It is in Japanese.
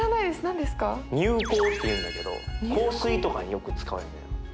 乳香っていうんだけど香水とかによく使われてる。